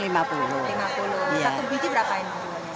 lima puluh satu biji berapa ini